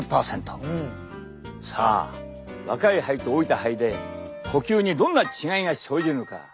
さあ若い肺と老いた肺で呼吸にどんな違いが生じるのか？